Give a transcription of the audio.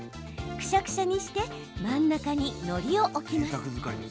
クシャクシャにして真ん中にのりを置きます。